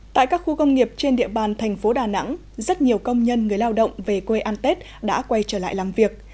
tại các khu công nghiệp trên địa bàn thành phố đà nẵng rất nhiều công nhân người lao động về quê an tết đã quay trở lại làm việc